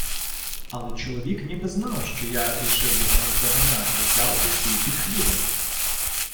Але чоловік ніби знав, що я рішив його наздоганяти, взяв і сів під хлібом.